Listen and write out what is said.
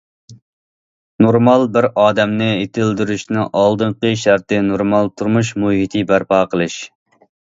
نورمال بىر ئادەمنى يېتىلدۈرۈشنىڭ ئالدىنقى شەرتى نورمال تۇرمۇش مۇھىتى بەرپا قىلىش.